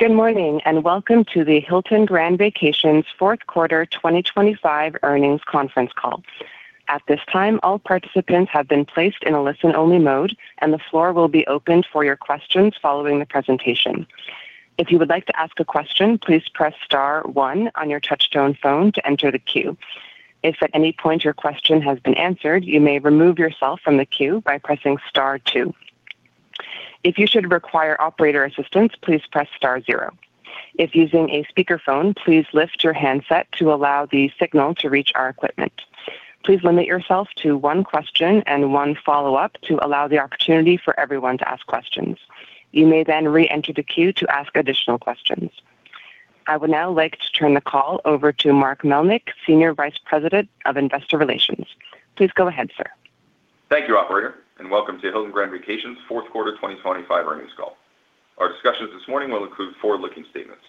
Good morning, welcome to the Hilton Grand Vacations fourth quarter 2025 earnings conference call. At this time, all participants have been placed in a listen-only mode, and the floor will be opened for your questions following the presentation. If you would like to ask a question, please press star one on your touchtone phone to enter the queue. If at any point your question has been answered, you may remove yourself from the queue by pressing star two. If you should require operator assistance, please press star zero. If using a speakerphone, please lift your handset to allow the signal to reach our equipment. Please limit yourself to one question and one follow-up to allow the opportunity for everyone to ask questions. You may re-enter the queue to ask additional questions. I would now like to turn the call over to Mark Melnyk, Senior Vice President of Investor Relations. Please go ahead, sir. Thank you, Operator, and welcome to Hilton Grand Vacations fourth quarter 2025 earnings call. Our discussions this morning will include forward-looking statements.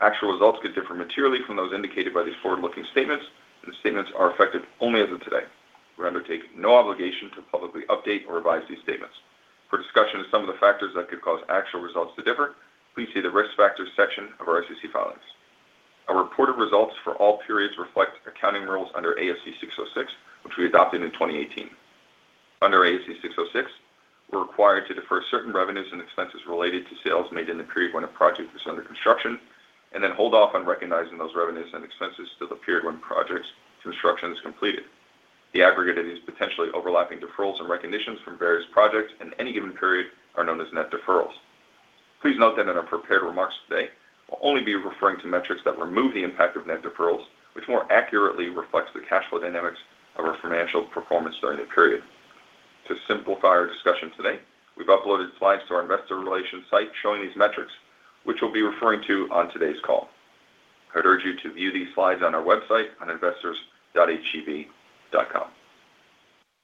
Actual results could differ materially from those indicated by these forward-looking statements. The statements are effective only as of today. We undertake no obligation to publicly update or revise these statements. For discussion of some of the factors that could cause actual results to differ, please see the Risk Factors section of our SEC filings. Our reported results for all periods reflect accounting rules under ASC 606, which we adopted in 2018. Under ASC 606, we're required to defer certain revenues and expenses related to sales made in the period when a project is under construction, and then hold off on recognizing those revenues and expenses to the period when project's construction is completed. The aggregate of these potentially overlapping deferrals and recognitions from various projects in any given period are known as net deferrals. Please note that in our prepared remarks today, we'll only be referring to metrics that remove the impact of net deferrals, which more accurately reflects the cash flow dynamics of our financial performance during the period. To simplify our discussion today, we've uploaded slides to our investor relations site showing these metrics, which we'll be referring to on today's call. I'd urge you to view these slides on our website on investors.hgv.com.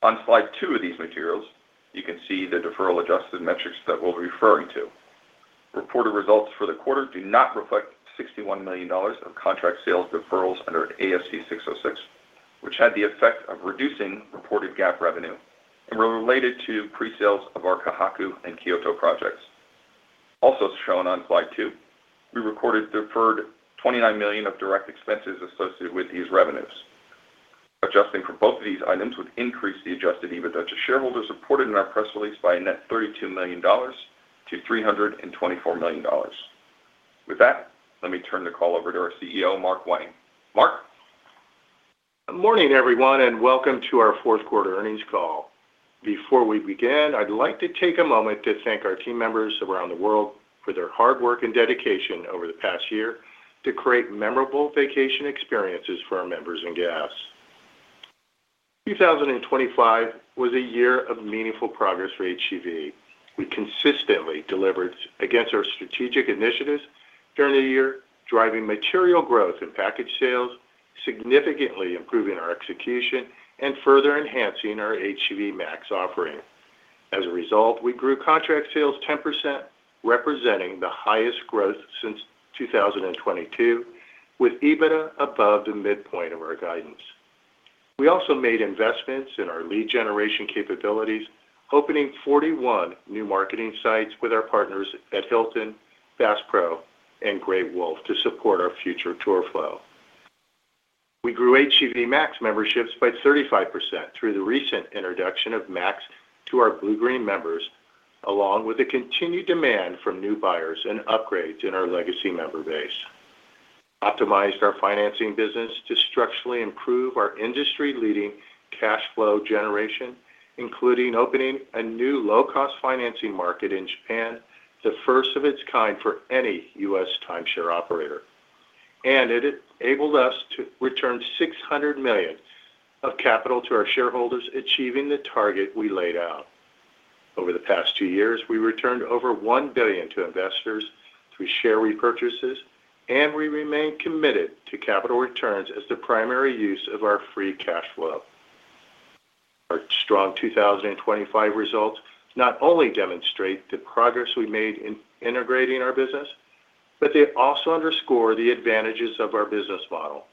On slide two of these materials, you can see the deferral adjusted metrics that we'll be referring to. Reported results for the quarter do not reflect $61 million of contract sales deferrals under ASC 606, which had the effect of reducing reported GAAP revenue and were related to presales of our Ka Haku and Kyoto projects. Also shown on slide two, we recorded deferred $29 million of direct expenses associated with these revenues. Adjusting for both of these items would increase the Adjusted EBITDA to shareholders reported in our press release by a net $32 million-$324 million. Let me turn the call over to our CEO, Mark Wang. Mark? Good morning, everyone. Welcome to our fourth quarter earnings call. Before we begin, I'd like to take a moment to thank our team members around the world for their hard work and dedication over the past year to create memorable vacation experiences for our members and guests. 2025 was a year of meaningful progress for HGV. We consistently delivered against our strategic initiatives during the year, driving material growth in package sales, significantly improving our execution, and further enhancing our HGV Max offering. As a result, we grew contract sales 10%, representing the highest growth since 2022, with EBITDA above the midpoint of our guidance. We also made investments in our lead generation capabilities, opening 41 new marketing sites with our partners at Hilton, Bass Pro, and Great Wolf to support our future tour flow. We grew HGV Max memberships by 35% through the recent introduction of Max to our Bluegreen members, along with the continued demand from new buyers and upgrades in our legacy member base, optimized our financing business to structurally improve our industry-leading cash flow generation, including opening a new low-cost financing market in Japan, the first of its kind for any U.S. timeshare operator. It enabled us to return $600 million of capital to our shareholders, achieving the target we laid out. Over the past 2 years, we returned over $1 billion to investors through share repurchases, and we remain committed to capital returns as the primary use of our free cash flow. Our strong 2025 results not only demonstrate the progress we made in integrating our business. They also underscore the advantages of our business model,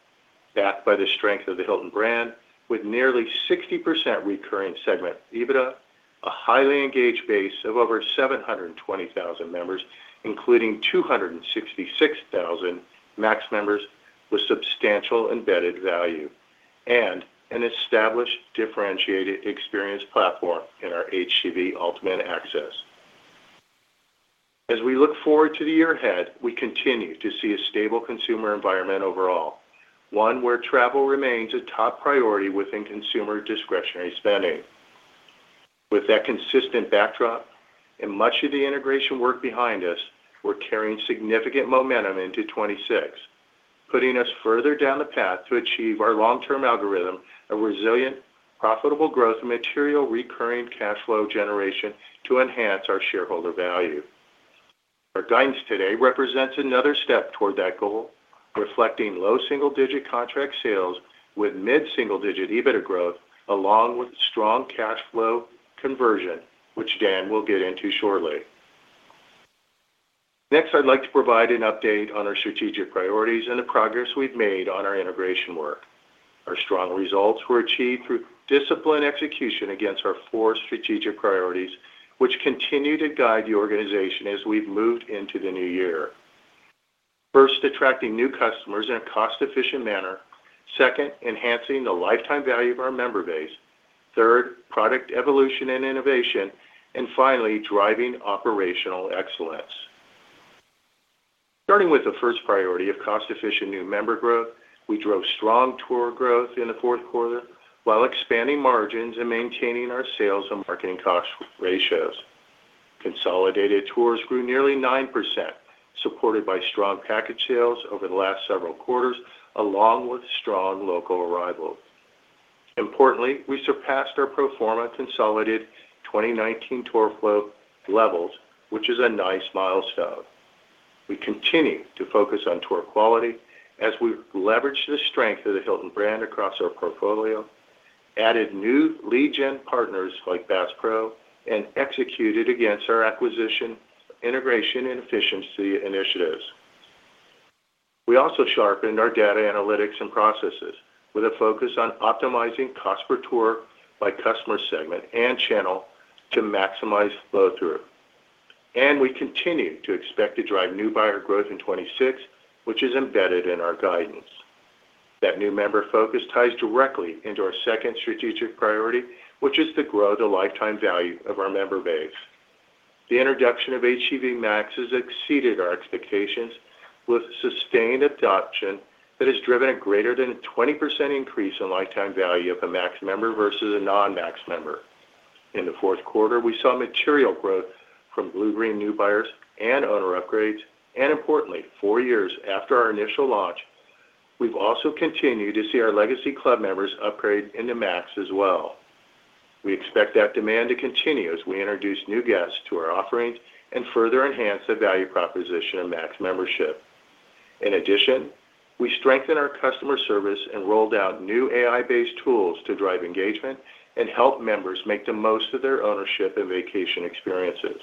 backed by the strength of the Hilton brand, with nearly 60% recurring segment EBITDA, a highly engaged base of over 720,000 members, including 266,000 Max members with substantial embedded value, and an established, differentiated experience platform in our HGV Ultimate Access. We look forward to the year ahead, we continue to see a stable consumer environment overall, one where travel remains a top priority within consumer discretionary spending. That consistent backdrop and much of the integration work behind us, we're carrying significant momentum into 2026, putting us further down the path to achieve our long-term algorithm of resilient, profitable growth and material recurring cash flow generation to enhance our shareholder value. Our guidance today represents another step toward that goal, reflecting low single-digit contract sales with mid-single digit EBITDA growth, along with strong cash flow conversion, which Dan will get into shortly. I'd like to provide an update on our strategic priorities and the progress we've made on our integration work. Our strong results were achieved through disciplined execution against our four strategic priorities, which continue to guide the organization as we've moved into the new year. First, attracting new customers in a cost-efficient manner. Second, enhancing the lifetime value of our member base. Third, product evolution and innovation, and finally, driving operational excellence. Starting with the first priority of cost-efficient new member growth, we drove strong tour growth in the fourth quarter while expanding margins and maintaining our sales and marketing cost ratios. Consolidated tours grew nearly 9%, supported by strong package sales over the last several quarters, along with strong local arrivals. Importantly, we surpassed our pro forma consolidated 2019 tour flow levels, which is a nice milestone. We continue to focus on tour quality as we leverage the strength of the Hilton brand across our portfolio, added new lead gen partners like Bass Pro, and executed against our acquisition, integration, and efficiency initiatives. We also sharpened our data analytics and processes with a focus on optimizing cost per tour by customer segment and channel to maximize flow through. We continue to expect to drive new buyer growth in 2026, which is embedded in our guidance. That new member focus ties directly into our second strategic priority, which is to grow the lifetime value of our member base. The introduction of HGV Max has exceeded our expectations, with sustained adoption that has driven a greater than 20% increase in lifetime value of a Max member versus a non-Max member. In the fourth quarter, we saw material growth from Bluegreen new buyers and owner upgrades. Importantly, 4 years after our initial launch, we've also continued to see our legacy club members upgrade into Max as well. We expect that demand to continue as we introduce new guests to our offerings and further enhance the value proposition of Max membership. In addition, we strengthened our customer service and rolled out new AI-based tools to drive engagement and help members make the most of their ownership and vacation experiences.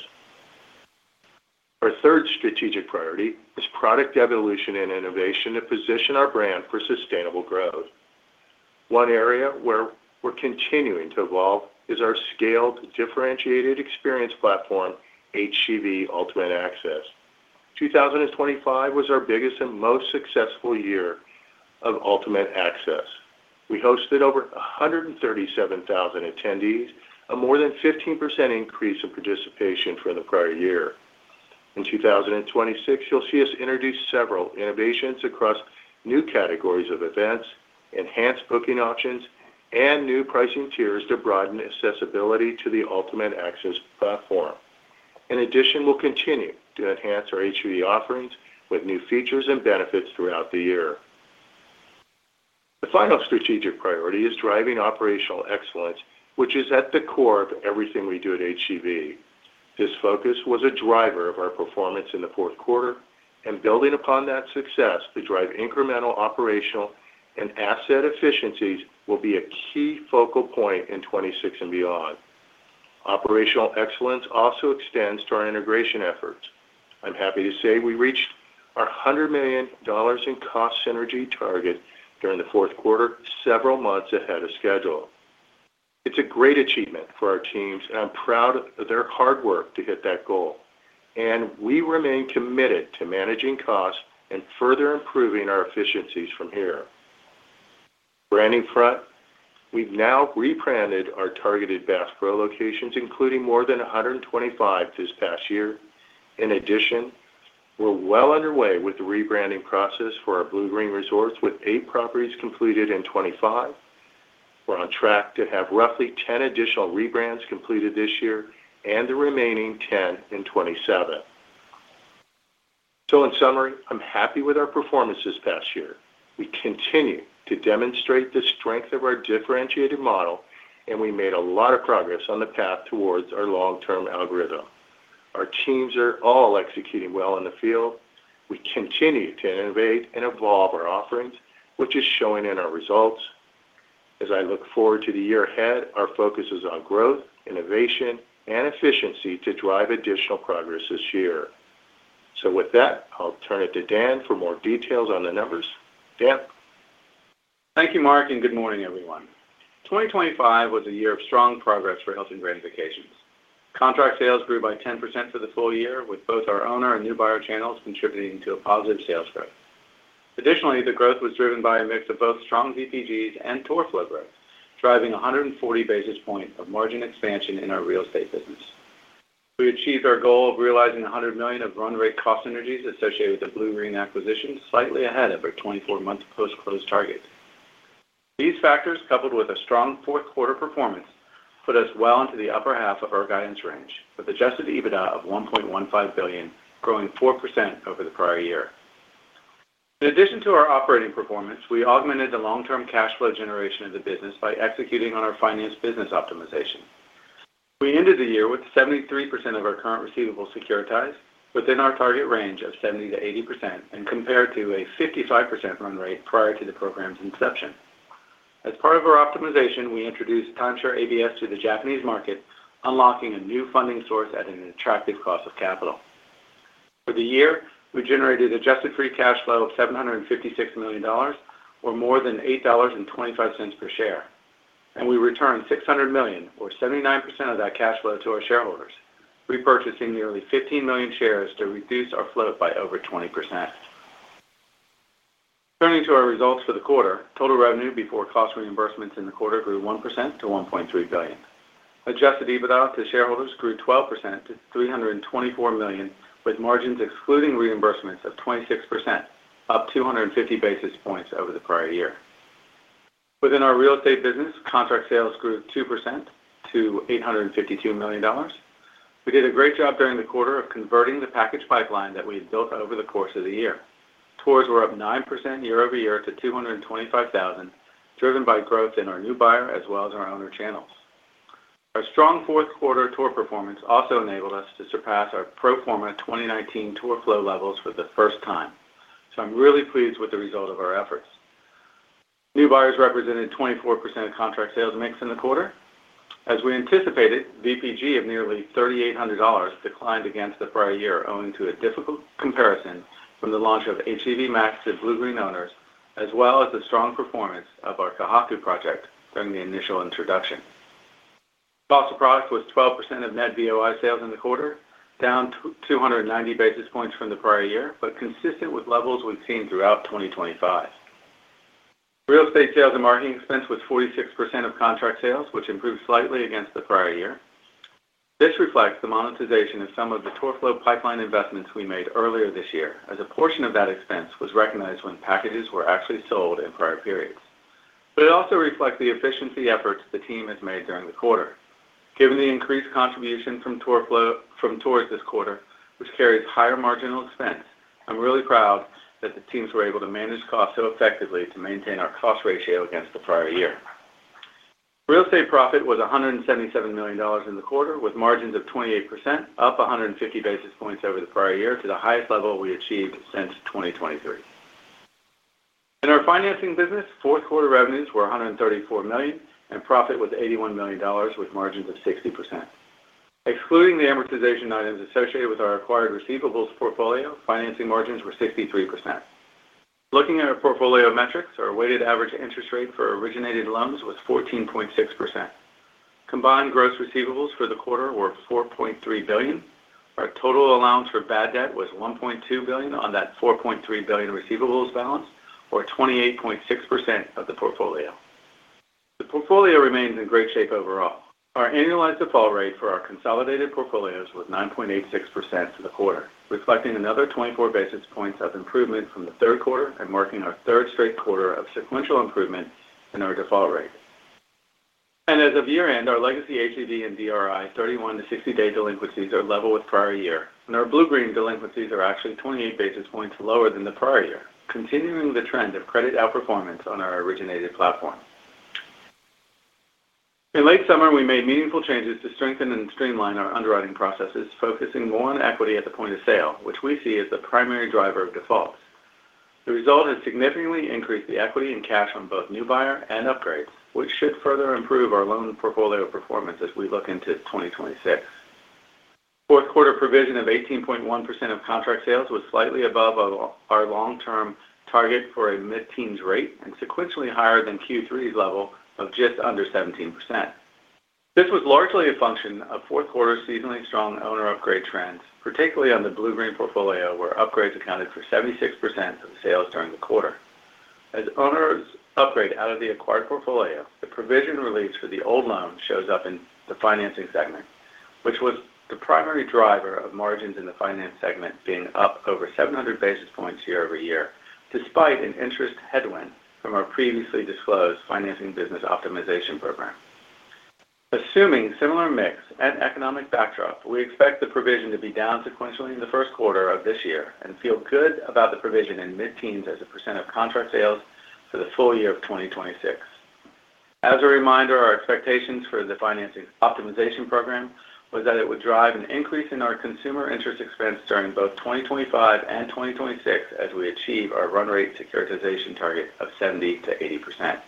Our third strategic priority is product evolution and innovation to position our brand for sustainable growth. One area where we're continuing to evolve is our scaled, differentiated experience platform, HGV Ultimate Access. 2025 was our biggest and most successful year of Ultimate Access. We hosted over 137,000 attendees, a more than 15% increase in participation from the prior year. In 2026, you'll see us introduce several innovations across new categories of events, enhanced booking options, and new pricing tiers to broaden accessibility to the Ultimate Access platform. In addition, we'll continue to enhance our HGV offerings with new features and benefits throughout the year. The final strategic priority is driving operational excellence, which is at the core of everything we do at HGV. This focus was a driver of our performance in the fourth quarter, and building upon that success to drive incremental operational and asset efficiencies will be a key focal point in 2026 and beyond. Operational excellence also extends to our integration efforts. I'm happy to say we reached our $100 million in cost synergy target during the fourth quarter, several months ahead of schedule. It's a great achievement for our teams, and I'm proud of their hard work to hit that goal, and we remain committed to managing costs and further improving our efficiencies from here. Branding front, we've now rebranded our targeted Bass Pro locations, including more than 125 this past year. In addition, we're well underway with the rebranding process for our Bluegreen resorts, with 8 properties completed in 2025. We're on track to have roughly 10 additional rebrands completed this year and the remaining 10 in 2027. In summary, I'm happy with our performance this past year. We continue to demonstrate the strength of our differentiated model, and we made a lot of progress on the path towards our long-term algorithm. Our teams are all executing well in the field. We continue to innovate and evolve our offerings, which is showing in our results. As I look forward to the year ahead, our focus is on growth, innovation, and efficiency to drive additional progress this year. With that, I'll turn it to Dan for more details on the numbers. Dan? Thank you, Mark. Good morning, everyone. 2025 was a year of strong progress for Hilton Grand Vacations. Contract sales grew by 10% for the full year, with both our owner and new buyer channels contributing to a positive sales growth. Additionally, the growth was driven by a mix of both strong VPGs and tour flow growth, driving 140 basis points of margin expansion in our real estate business. We achieved our goal of realizing $100 million of run rate cost synergies associated with the Bluegreen acquisition, slightly ahead of our 24-month post-close target. These factors, coupled with a strong fourth quarter performance, put us well into the upper half of our guidance range, with Adjusted EBITDA of $1.15 billion, growing 4% over the prior year. In addition to our operating performance, we augmented the long-term cash flow generation of the business by executing on our finance business optimization. We ended the year with 73% of our current receivables securitized within our target range of 70%-80% and compared to a 55% run rate prior to the program's inception. As part of our optimization, we introduced timeshare ABS to the Japanese market, unlocking a new funding source at an attractive cost of capital. For the year, we generated adjusted free cash flow of $756 million, or more than $8.25 per share, and we returned $600 million, or 79% of that cash flow to our shareholders, repurchasing nearly 15 million shares to reduce our float by over 20%. Turning to our results for the quarter, total revenue before cost reimbursements in the quarter grew 1% to $1.3 billion. Adjusted EBITDA to shareholders grew 12% to $324 million, with margins excluding reimbursements of 26%, up 250 basis points over the prior year. Within our real estate business, contract sales grew 2% to $852 million. We did a great job during the quarter of converting the package pipeline that we had built over the course of the year. Tours were up 9% year-over-year to 225,000, driven by growth in our new buyer as well as our owner channels. Our strong fourth quarter tour performance also enabled us to surpass our pro forma 2019 tour flow levels for the first time. I'm really pleased with the result of our efforts. New buyers represented 24% of contract sales mix in the quarter. As we anticipated, VPG of nearly $3,800 declined against the prior year, owing to a difficult comparison from the launch of HGV Max to Bluegreen owners, as well as the strong performance of our Ka Haku project during the initial introduction. Cost of product was 12% of net VOI sales in the quarter, down 290 basis points from the prior year, but consistent with levels we've seen throughout 2025. Real estate sales and marketing expense was 46% of contract sales, which improved slightly against the prior year. This reflects the monetization of some of the tour flow pipeline investments we made earlier this year, as a portion of that expense was recognized when packages were actually sold in prior periods. It also reflects the efficiency efforts the team has made during the quarter. Given the increased contribution from tours this quarter, which carries higher marginal expense, I'm really proud that the teams were able to manage costs so effectively to maintain our cost ratio against the prior year. Real estate profit was $177 million in the quarter, with margins of 28%, up 150 basis points over the prior year to the highest level we achieved since 2023. In our financing business, fourth quarter revenues were $134 million, and profit was $81 million, with margins of 60%. Excluding the amortization items associated with our acquired receivables portfolio, financing margins were 63%. Looking at our portfolio of metrics, our weighted average interest rate for originated loans was 14.6%. Combined gross receivables for the quarter were $4.3 billion. Our total allowance for bad debt was $1.2 billion on that $4.3 billion receivables balance, or 28.6% of the portfolio. The portfolio remains in great shape overall. Our annualized default rate for our consolidated portfolios was 9.86% for the quarter, reflecting another 24 basis points of improvement from the third quarter and marking our third straight quarter of sequential improvement in our default rate. As of year-end, our legacy HGV and DRI, 31-60 day delinquencies are level with prior year, and our Bluegreen delinquencies are actually 28 basis points lower than the prior year, continuing the trend of credit outperformance on our originated platform. In late summer, we made meaningful changes to strengthen and streamline our underwriting processes, focusing more on equity at the point of sale, which we see as the primary driver of defaults. The result has significantly increased the equity and cash on both new buyer and upgrades, which should further improve our loan portfolio performance as we look into 2026. Fourth quarter provision of 18.1% of contract sales was slightly above our long-term target for a mid-teens rate, and sequentially higher than Q3's level of just under 17%. This was largely a function of fourth quarter seasonally strong owner upgrade trends, particularly on the Bluegreen portfolio, where upgrades accounted for 76% of sales during the quarter. As owners upgrade out of the acquired portfolio, the provision release for the old loan shows up in the financing segment, which was the primary driver of margins in the finance segment, being up over 700 basis points year-over-year, despite an interest headwind from our previously disclosed financing business optimization program. Assuming similar mix and economic backdrop, we expect the provision to be down sequentially in the 1st quarter of this year and feel good about the provision in mid-teens as a percent of contract sales for the full year of 2026. As a reminder, our expectations for the financing optimization program was that it would drive an increase in our consumer interest expense during both 2025 and 2026 as we achieve our run rate securitization target of 70%-80%.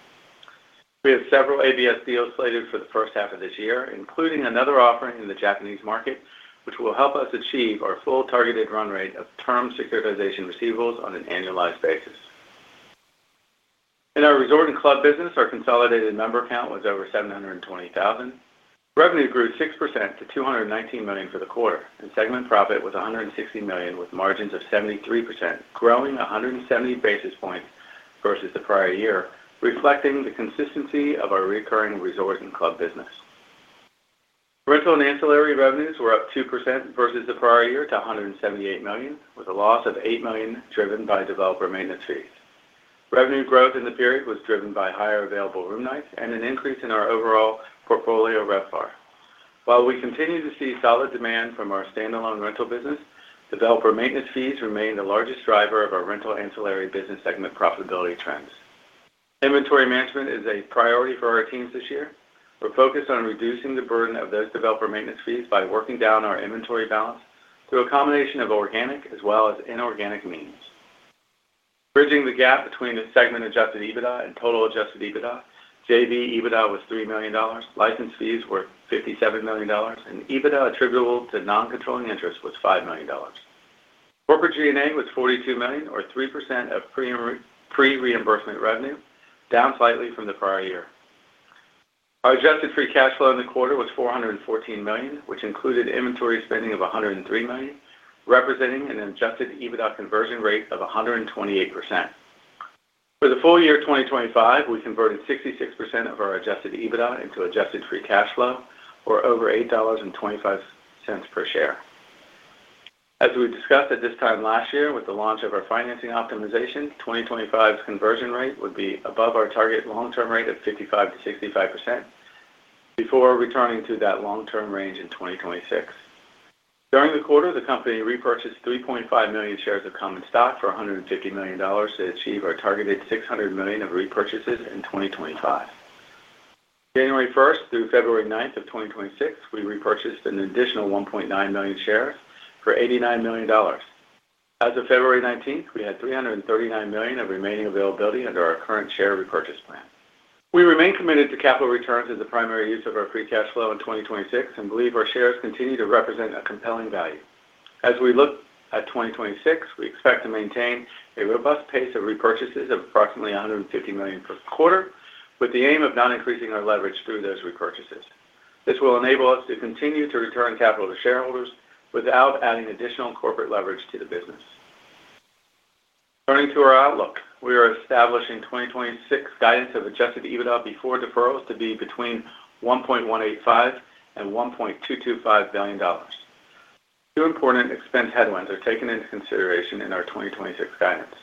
We have several ABS deals slated for the first half of this year, including another offering in the Japanese market, which will help us achieve our full targeted run rate of term securitization receivables on an annualized basis. In our resort and club business, our consolidated member count was over 720,000. Revenue grew 6% to $219 million for the quarter. Segment profit was $160 million, with margins of 73%, growing 170 basis points versus the prior year, reflecting the consistency of our recurring resort and club business. Rental and ancillary revenues were up 2% versus the prior year to $178 million, with a loss of $8 million driven by developer maintenance fees. Revenue growth in the period was driven by higher available room nights and an increase in our overall portfolio RevPAR. While we continue to see solid demand from our standalone rental business, developer maintenance fees remain the largest driver of our rental ancillary business segment profitability trends. Inventory management is a priority for our teams this year. We're focused on reducing the burden of those developer maintenance fees by working down our inventory balance through a combination of organic as well as inorganic means. Bridging the gap between the segment Adjusted EBITDA and total Adjusted EBITDA, JV EBITDA was $3 million, license fees were $57 million, and EBITDA attributable to non-controlling interest was $5 million. Corporate G&A was $42 million, or 3% of pre-reimbursement revenue, down slightly from the prior year. Our adjusted free cash flow in the quarter was $414 million, which included inventory spending of $103 million, representing an Adjusted EBITDA conversion rate of 128%. For the full year 2025, we converted 66% of our Adjusted EBITDA into adjusted free cash flow, or over $8.25 per share. As we discussed at this time last year with the launch of our financing optimization, 2025's conversion rate would be above our target long-term rate of 55%-65%, before returning to that long-term range in 2026. During the quarter, the company repurchased 3.5 million shares of common stock for $150 million to achieve our targeted $600 million of repurchases in 2025. January 1st through February 9th of 2026, we repurchased an additional 1.9 million shares for $89 million. As of February 19th, we had $339 million of remaining availability under our current share repurchase plan. We remain committed to capital returns as the primary use of our free cash flow in 2026 and believe our shares continue to represent a compelling value. We look at 2026, we expect to maintain a robust pace of repurchases of approximately $150 million per quarter, with the aim of not increasing our leverage through those repurchases. This will enable us to continue to return capital to shareholders without adding additional corporate leverage to the business. Turning to our outlook, we are establishing 2026 guidance of Adjusted EBITDA before deferrals to be between $1.185 billion and $1.225 billion. Two important expense headwinds are taken into consideration in our 2026 guidance.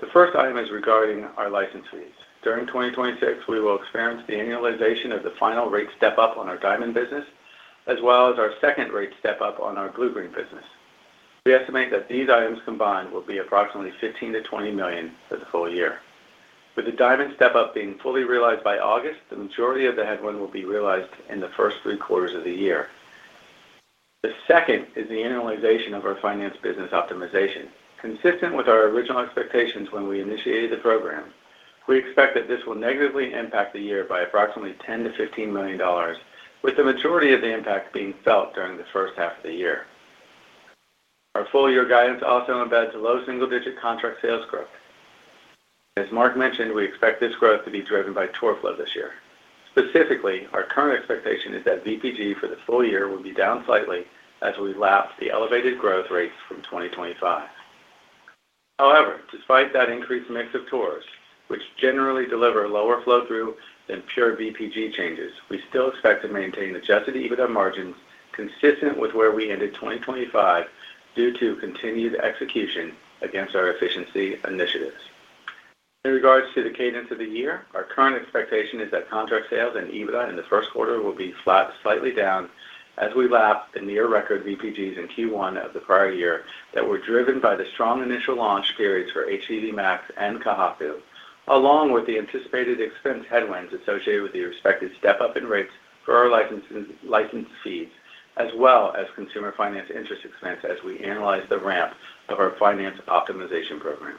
The first item is regarding our license fees. During 2026, we will experience the annualization of the final rate step up on our Diamond business, as well as our second rate step up on our Bluegreen business. We estimate that these items combined will be approximately $15 million-$20 million for the full year. With the Diamond step up being fully realized by August, the majority of the headwind will be realized in the first three quarters of the year. The second is the annualization of our finance business optimization. Consistent with our original expectations when we initiated the program, we expect that this will negatively impact the year by approximately $10 million-$15 million, with the majority of the impact being felt during the first half of the year. Our full year guidance also embeds a low single-digit contract sales growth. As Mark mentioned, we expect this growth to be driven by tour flow this year. Specifically, our current expectation is that VPG for the full year will be down slightly as we lap the elevated growth rates from 2025. However, despite that increased mix of tours, which generally deliver lower flow through than pure VPG changes, we still expect to maintain Adjusted EBITDA margins consistent with where we ended 2025 due to continued execution against our efficiency initiatives. In regards to the cadence of the year, our current expectation is that contract sales and EBITDA in the first quarter will be flat to slightly down as we lap the near record VPGs in Q1 of the prior year that were driven by the strong initial launch periods for HGV Max and Ka Haku, along with the anticipated expense headwinds associated with the expected step up in rates for our license fees, as well as consumer finance interest expense as we analyze the ramp of our finance optimization program.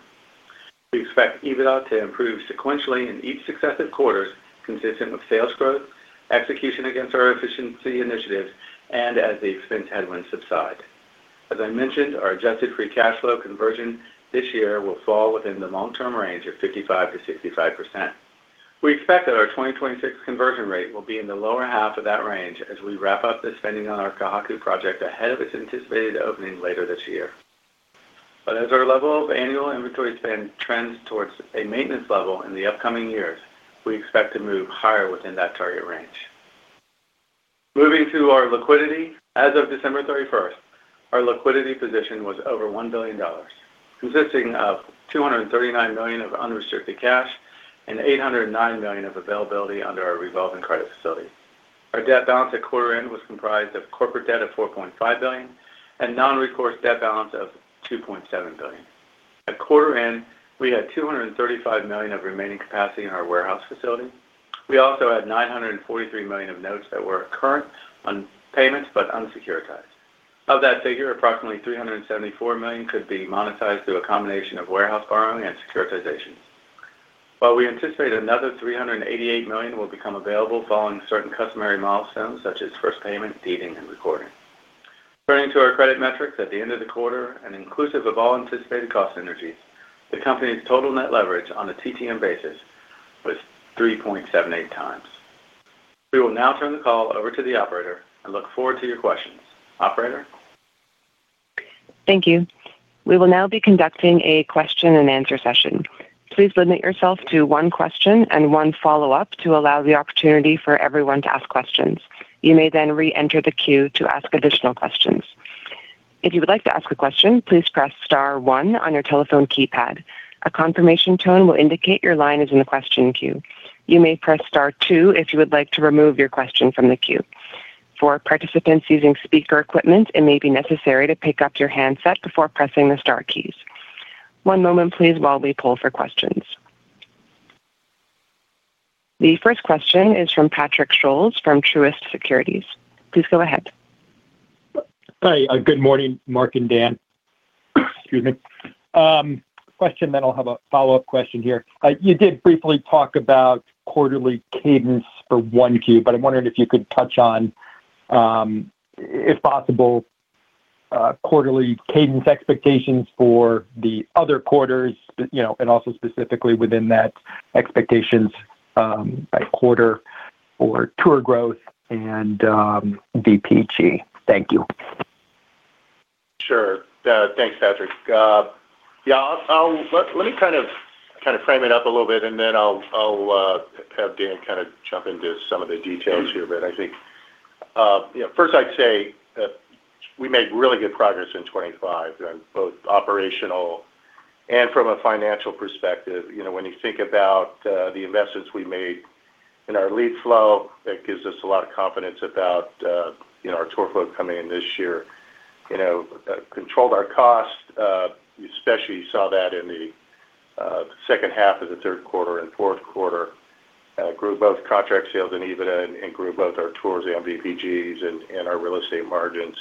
We expect EBITDA to improve sequentially in each successive quarter, consistent with sales growth, execution against our efficiency initiatives, and as the expense headwinds subside. As I mentioned, our adjusted free cash flow conversion this year will fall within the long-term range of 55%-65%. We expect that our 2026 conversion rate will be in the lower half of that range as we wrap up the spending on our Ka Haku project ahead of its anticipated opening later this year. As our level of annual inventory spend trends towards a maintenance level in the upcoming years, we expect to move higher within that target range. Moving to our liquidity, as of December 31st, our liquidity position was over $1 billion, consisting of $239 million of unrestricted cash and $809 million of availability under our revolving credit facility. Our debt balance at quarter end was comprised of corporate debt of $4.5 billion and non-recourse debt balance of $2.7 billion. At quarter end, we had $235 million of remaining capacity in our warehouse facility. We also had $943 million of notes that were current on payments but unsecuritized. Of that figure, approximately $374 million could be monetized through a combination of warehouse borrowing and securitization. We anticipate another $388 million will become available following certain customary milestones, such as first payment, deeding, and recording. Turning to our credit metrics at the end of the quarter and inclusive of all anticipated cost synergies, the company's total net leverage on a TTM basis was 3.78x. We will now turn the call over to the operator and look forward to your questions. Operator? Thank you. We will now be conducting a question-and-answer session. Please limit yourself to one question and one follow-up to allow the opportunity for everyone to ask questions. You may reenter the queue to ask additional questions. If you would like to ask a question, please press star one on your telephone keypad. A confirmation tone will indicate your line is in the question queue. You may press Star two if you would like to remove your question from the queue. For participants using speaker equipment, it may be necessary to pick up your handset before pressing the star keys. One moment please while we poll for questions. The first question is from Patrick Scholes from Truist Securities. Please go ahead. Hi. A good morning, Mark and Dan. Excuse me. Question, then I'll have a follow-up question here. You did briefly talk about quarterly cadence for 1Q, but I'm wondering if you could touch on, if possible, quarterly cadence expectations for the other quarters, you know, and also specifically within that expectations, by quarter for tour growth and VPG? Thank you. Sure. Thanks, Patrick. Yeah, let me kind of frame it up a little bit, and then I'll have Dan kind of jump into some of the details here. I think, you know, first I'd say that we made really good progress in 2025, both operational and from a financial perspective. You know, when you think about the investments we made in our lead flow, that gives us a lot of confidence about, you know, our tour flow coming in this year. You know, controlled our cost, especially saw that in the second half of the third quarter and fourth quarter. Grew both contract sales and EBITDA, and grew both our tours and VPGs and our real estate margins.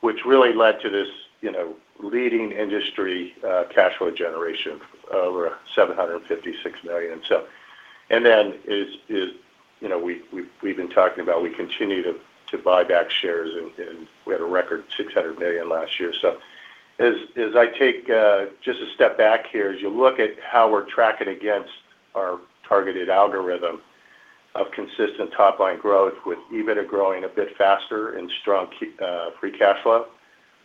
Which really led to this, you know, leading industry cash flow generation, over $756 million. Is, you know, we've been talking about, we continue to buy back shares, and we had a record $600 million last year. As I take just a step back here, as you look at how we're tracking against our targeted algorithm of consistent top-line growth with EBITDA growing a bit faster and strong free cash flow,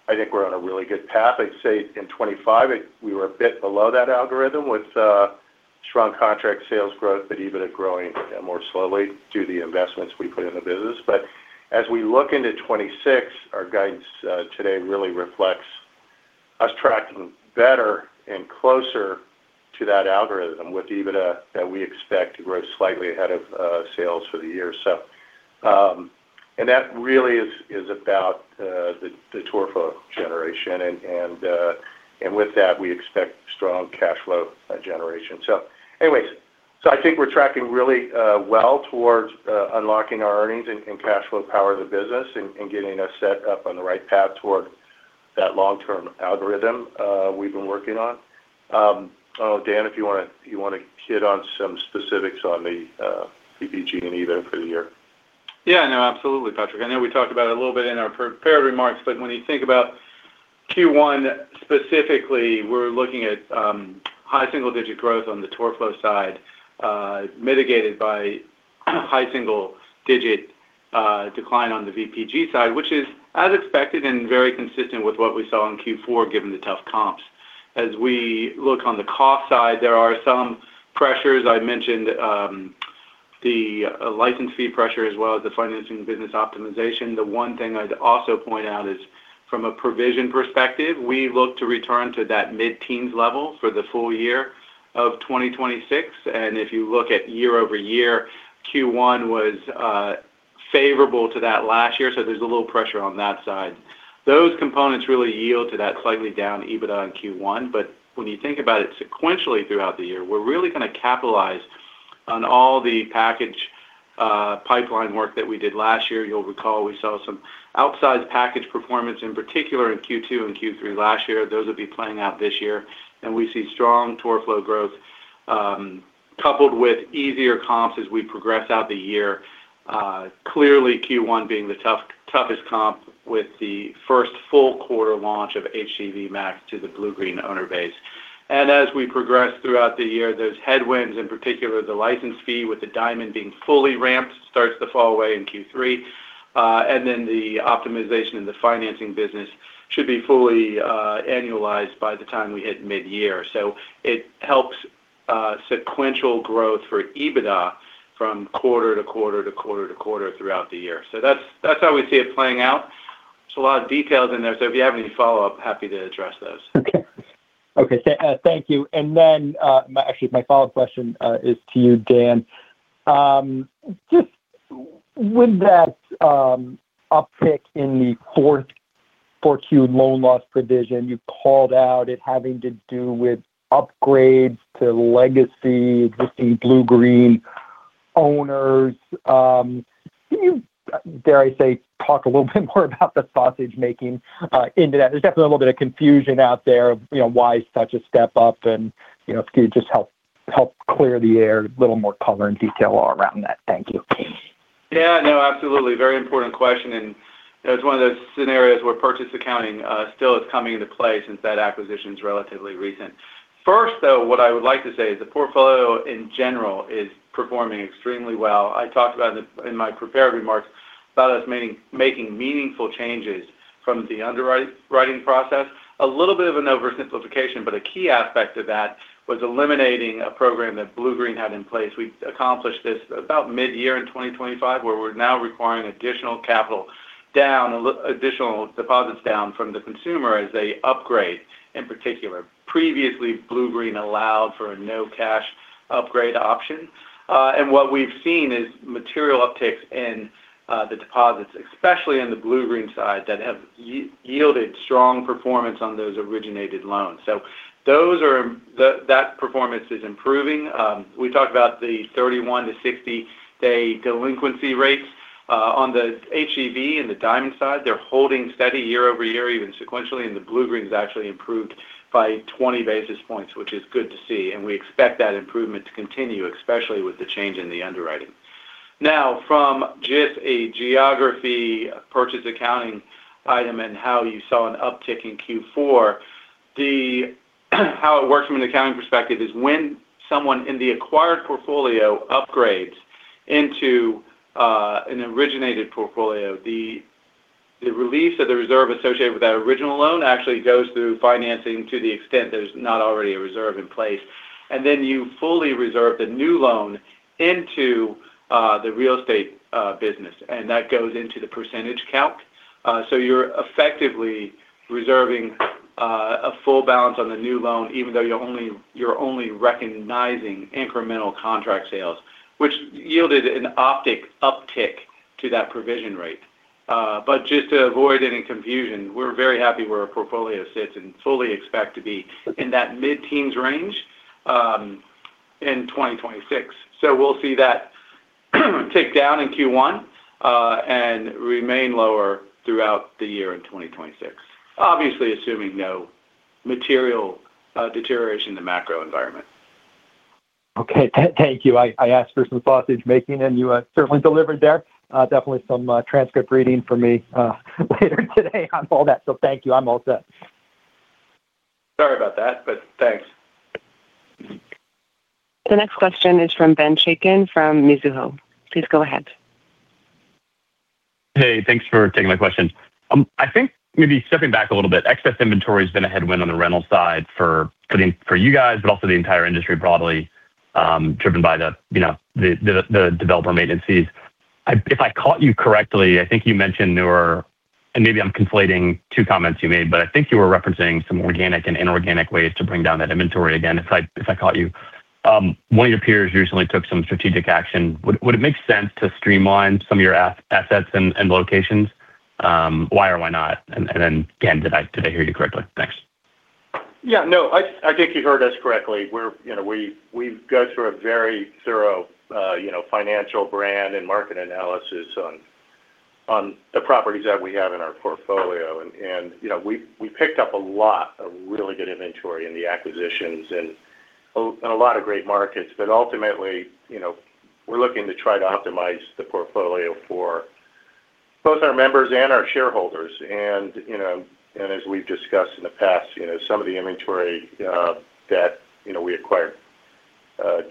I think we're on a really good path. I'd say in 2025, we were a bit below that algorithm with strong contract sales growth, but EBITDA growing more slowly due to the investments we put in the business. As we look into 2026, our guidance today really reflects us tracking better and closer to that algorithm with EBITDA that we expect to grow slightly ahead of sales for the year. That really is about the tour flow generation. With that, we expect strong cash flow generation. I think we're tracking really well towards unlocking our earnings and cash flow power of the business and getting us set up on the right path toward that long-term algorithm we've been working on. Dan, if you want to hit on some specifics on the VPG and EBITDA for the year. No, absolutely, Patrick. I know we talked about it a little bit in our pre-prepared remarks, when you think about Q1 specifically, we're looking at high single-digit growth on the tour flow side, mitigated by high single-digit decline on the VPG side, which is as expected and very consistent with what we saw in Q4, given the tough comps. As we look on the cost side, there are some pressures. I mentioned the license fee pressure as well as the financing business optimization. The one thing I'd also point out is from a provision perspective, we look to return to that mid-teens level for the full year of 2026. If you look at year-over-year, Q1 was favorable to that last year, there's a little pressure on that side. Those components really yield to that slightly down EBITDA in Q1. When you think about it sequentially throughout the year, we're really going to capitalize on all the package pipeline work that we did last year. You'll recall we saw some outsized package performance, in particular in Q2 and Q3 last year. Those will be playing out this year, and we see strong tour flow growth, coupled with easier comps as we progress out the year. Clearly, Q1 being the toughest comp with the first full quarter launch of HGV Max to the Bluegreen owner base. As we progress throughout the year, those headwinds, in particular, the license fee with the Diamond being fully ramped, starts to fall away in Q3. The optimization in the financing business should be fully annualized by the time we hit mid-year. It helps sequential growth for EBITDA from quarter to quarter to quarter to quarter throughout the year. That's how we see it playing out. There's a lot of details in there, so if you have any follow-up, happy to address those. Okay. Okay, thank you. Actually, my follow-up question is to you, Dan. Just with that uptick in the fourth Q loan loss provision, you called out it having to do with upgrades to legacy existing Bluegreen owners, can you, dare I say, talk a little bit more about the sausage making into that? There's definitely a little bit of confusion out there. You know, why such a step up? You know, can you just help clear the air, a little more color and detail around that? Thank you. Yeah, no, absolutely. Very important question, and it's one of those scenarios where purchase accounting still is coming into play since that acquisition is relatively recent. First, though, what I would like to say is the portfolio in general is performing extremely well. I talked about it in my prepared remarks about us making meaningful changes from the underwriting process. A little bit of an oversimplification, but a key aspect of that was eliminating a program that Bluegreen had in place. We accomplished this about mid-year in 2025, where we're now requiring additional capital down, a little additional deposits down from the consumer as they upgrade. In particular, previously, Bluegreen allowed for a no-cash upgrade option. What we've seen is material upticks in the deposits, especially in the Bluegreen side, that have yielded strong performance on those originated loans. That performance is improving. We talked about the 31-60 day delinquency rates on the HGV and the Diamond side. They're holding steady year-over-year, even sequentially, and the Bluegreen's actually improved by 20 basis points, which is good to see, and we expect that improvement to continue, especially with the change in the underwriting. Now, from just a geography purchase accounting item and how you saw an uptick in Q4, how it works from an accounting perspective is when someone in the acquired portfolio upgrades into an originated portfolio, the release of the reserve associated with that original loan actually goes through financing to the extent there's not already a reserve in place. You fully reserve the new loan into the real estate business, and that goes into the percentage count. You're effectively reserving a full balance on the new loan, even though you're only recognizing incremental contract sales, which yielded an optic uptick to that provision rate. Just to avoid any confusion, we're very happy where our portfolio sits and fully expect to be in that mid-teens range in 2026. We'll see that tick down in Q1 and remain lower throughout the year in 2026. Obviously, assuming no material deterioration in the macro environment. Okay, thank you. I asked for some sausage making, and you certainly delivered there. Definitely some transcript reading for me later today on all that. Thank you. I'm all set. Sorry about that, thanks. The next question is from Ben Chaiken, from Mizuho. Please go ahead. Hey, thanks for taking my question. I think maybe stepping back a little bit, excess inventory has been a headwind on the rental side for you guys, but also the entire industry broadly, driven by the, you know, the, the developer maintenance fees. If I caught you correctly, I think you mentioned there were. Maybe I'm conflating two comments you made, but I think you were referencing some organic and inorganic ways to bring down that inventory again, if I caught you. One of your peers recently took some strategic action. Would it make sense to streamline some of your assets and locations? Why or why not? Then, again, did I hear you correctly? Thanks. Yeah, no, I think you heard us correctly. We're, you know, we go through a very thorough, you know, financial brand and market analysis on the properties that we have in our portfolio. You know, we picked up a lot of really good inventory in the acquisitions and a lot of great markets. Ultimately, you know, we're looking to try to optimize the portfolio for both our members and our shareholders. You know, and as we've discussed in the past, you know, some of the inventory that, you know, we acquired,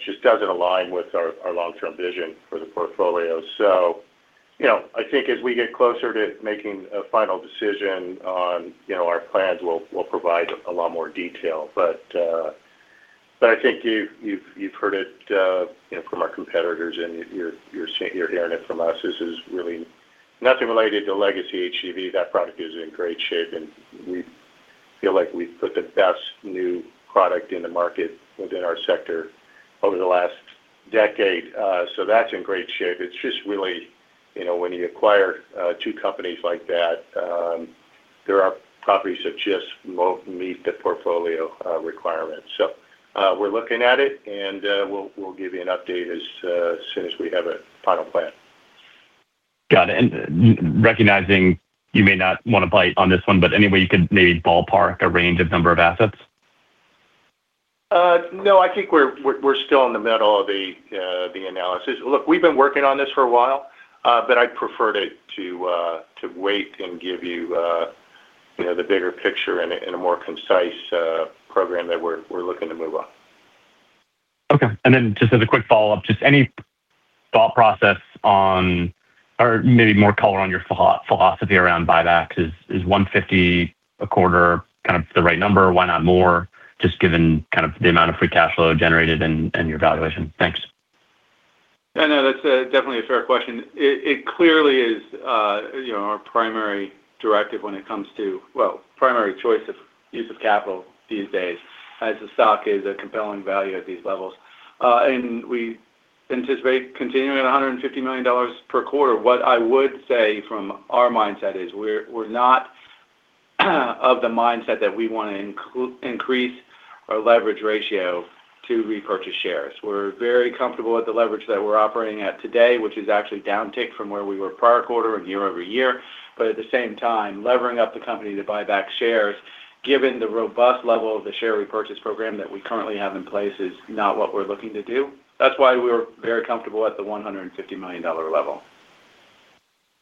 just doesn't align with our long-term vision for the portfolio. You know, I think as we get closer to making a final decision on, you know, our plans, we'll provide a lot more detail. I think you've heard it, you know, from our competitors and you're hearing it from us. This is really nothing related to legacy HGV. That product is in great shape, and we feel like we've put the best new product in the market within our sector over the last decade. So that's in great shape. It's just really, you know, when you acquire two companies like that, there are properties that just won't meet the portfolio requirements. We're looking at it, and we'll give you an update as soon as we have a final plan. Got it. Recognizing you may not want to bite on this one, but any way you could maybe ballpark a range of number of assets? No, I think we're still in the middle of the analysis. Look, we've been working on this for a while, but I'd prefer to wait and give you know, the bigger picture and a more concise program that we're looking to move on. Okay. Then just as a quick follow-up, just any thought process on or maybe more color on your philosophy around buyback. Is $150 a quarter kind of the right number? Why not more, just given kind of the amount of free cash flow generated and your valuation? Thanks. I know that's definitely a fair question. It, it clearly is, you know, our primary directive when it comes to... Well, primary choice of use of capital these days, as the stock is a compelling value at these levels. We anticipate continuing at $150 million per quarter. What I would say from our mindset is we're not, of the mindset that we want to increase our leverage ratio to repurchase shares. We're very comfortable with the leverage that we're operating at today, which is actually downticked from where we were prior quarter and year-over-year. At the same time, levering up the company to buy back shares, given the robust level of the share repurchase program that we currently have in place, is not what we're looking to do. That's why we're very comfortable at the $150 million level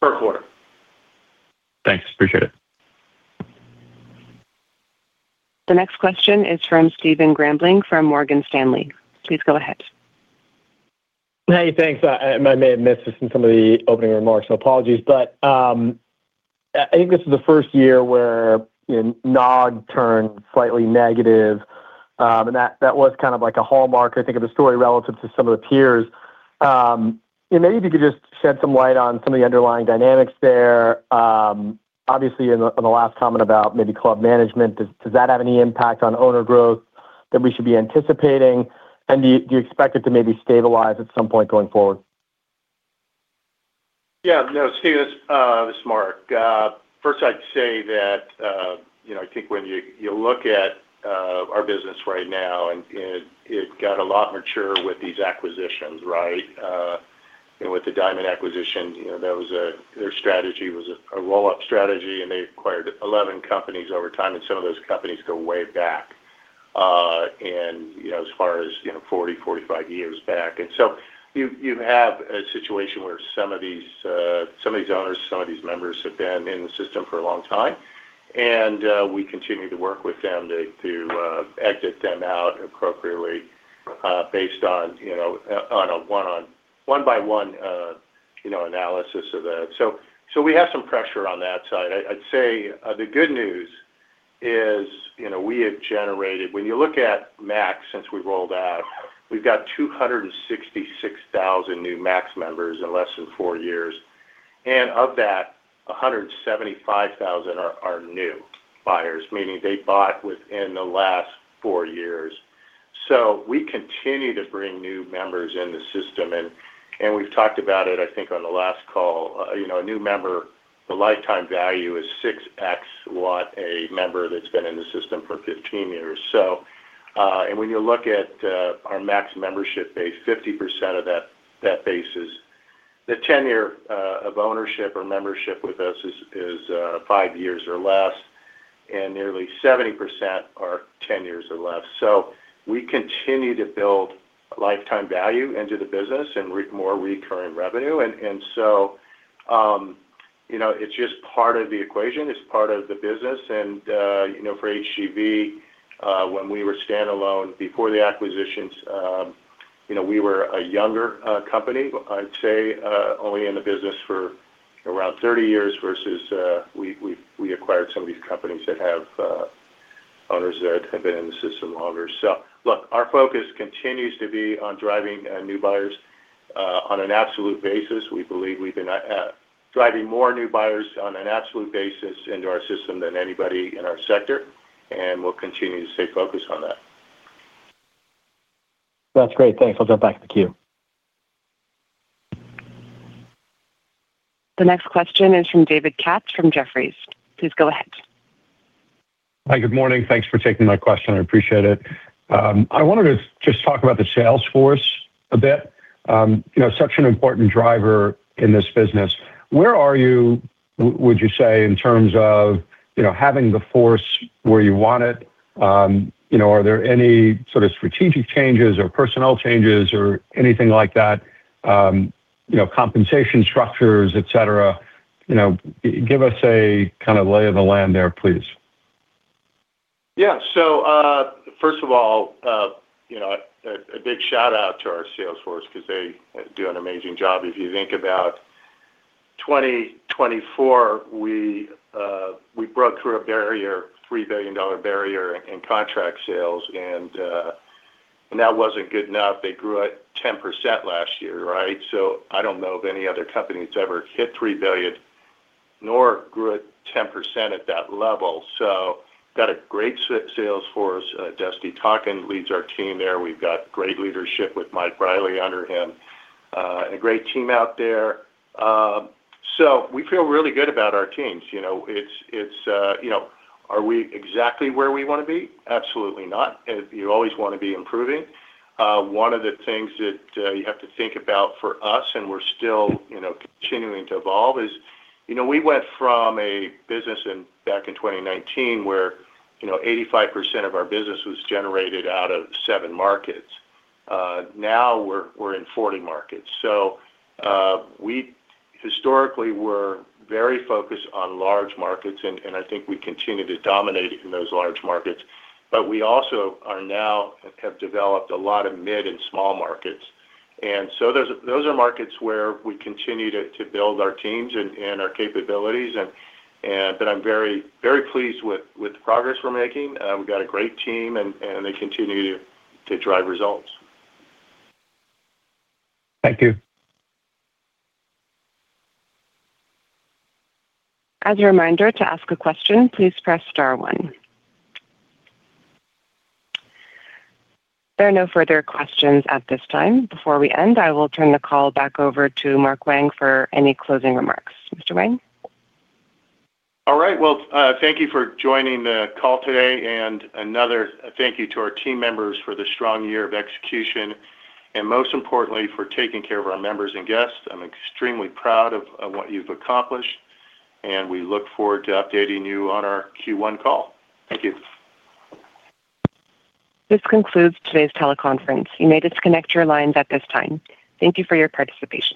per quarter. Thanks. Appreciate it. The next question is from Stephen Grambling, from Morgan Stanley. Please go ahead. Hey, thanks. I may have missed this in some of the opening remarks. Apologies. I think this is the first year where, you know, NOG turned slightly negative. That was kind of like a hallmark, I think, of the story relative to some of the peers. Maybe if you could just shed some light on some of the underlying dynamics there. Obviously, in the, on the last comment about maybe club management, does that have any impact on owner growth that we should be anticipating, and do you expect it to maybe stabilize at some point going forward? Yeah, no, Steph, this is Mark. First, I'd say that, you know, I think when you look at our business right now, and it got a lot mature with these acquisitions, right? And with the Diamond acquisition, you know, that was a, their strategy was a roll-up strategy, and they acquired 11 companies over time, and some of those companies go way back, and, you know, as far as, you know, 40, 45 years back. You, you have a situation where some of these, some of these owners, some of these members have been in the system for a long time, and, we continue to work with them to, exit them out appropriately, based on, you know, on a one-on-one by one, you know, analysis of the. We have some pressure on that side. I'd say, you know, the good news is, when you look at Max since we rolled out, we've got 266,000 new Max members in less than four years, and of that, 175,000 are new buyers, meaning they bought within the last four years. We continue to bring new members in the system and we've talked about it, I think, on the last call. You know, a new member, the lifetime value is 6x what a member that's been in the system for 15 years. When you look at our Max membership base, 50% of that base is the tenure of ownership or membership with us is five years or less, and nearly 70% are 10 years or less. We continue to build lifetime value into the business and more recurring revenue. You know, it's just part of the equation, it's part of the business. You know, for HGV, when we were standalone before the acquisitions, you know, we were a younger company. I'd say, only in the business for around 30 years versus we acquired some of these companies that have owners that have been in the system longer. Look, our focus continues to be on driving new buyers on an absolute basis. We believe we've been driving more new buyers on an absolute basis into our system than anybody in our sector, and we'll continue to stay focused on that. That's great. Thanks. I'll jump back to the queue. The next question is from David Katz from Jefferies. Please go ahead. Hi, good morning. Thanks for taking my question. I appreciate it. I wanted to just talk about the sales force a bit. You know, such an important driver in this business. Where are you, would you say, in terms of, you know, having the force where you want it? You know, are there any sort of strategic changes or personnel changes or anything like that, you know, compensation structures, etc.? You know, give us a kind of lay of the land there, please. Yeah. First of all, you know, a big shout-out to our sales force because they do an amazing job. If you think about 2024, we broke through a barrier, a $3 billion barrier in contract sales, and that wasn't good enough. They grew at 10% last year, right? I don't know of any other company that's ever hit $3 billion, nor grew at 10% at that level. Got a great sales force. Dusty Tonkin leads our team there. We've got great leadership with Mike Riley under him, and a great team out there. We feel really good about our teams. You know, it's, you know, are we exactly where we want to be? Absolutely not. You always want to be improving. One of the things that you have to think about for us, and we're still, you know, continuing to evolve, is, you know, we went from a business in back in 2019, where, you know, 85% of our business was generated out of 7 markets. Now we're in 40 markets. We historically were very focused on large markets, and I think we continue to dominate in those large markets. We also are now have developed a lot of mid and small markets. Those are markets where we continue to build our teams and our capabilities. I'm very pleased with the progress we're making. We've got a great team, and they continue to drive results. Thank you. As a reminder, to ask a question, please press star one. There are no further questions at this time. Before we end, I will turn the call back over to Mark Wang for any closing remarks. Mr. Wang? All right. Well, thank you for joining the call today. Another thank you to our team members for the strong year of execution, and most importantly, for taking care of our members and guests. I'm extremely proud of what you've accomplished. We look forward to updating you on our Q1 call. Thank you. This concludes today's teleconference. You may disconnect your lines at this time. Thank you for your participation.